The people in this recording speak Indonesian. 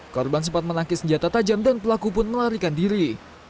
korban sempat menangkis senjata tajam dan pelaku pun melarikan diri